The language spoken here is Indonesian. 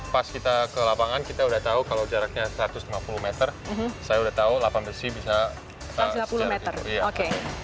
pas kita ke lapangan kita sudah tahu kalau jaraknya satu ratus lima puluh meter saya sudah tahu delapan besi bisa sejarah itu